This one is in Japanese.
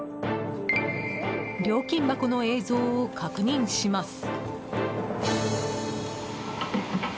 料金箱の映像を確認します。